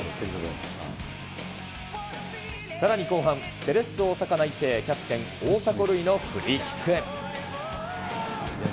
さらに後半、セレッソ大阪内定、キャプテン、大迫塁のフリーキック。